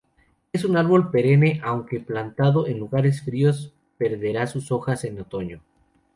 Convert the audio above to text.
Es un árbol perenne, aunque plantado en lugares fríos perderá sus hojas en otoño.